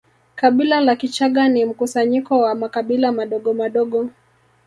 Kabila la Kichaga ni mkusanyiko wa makabila madogomadogo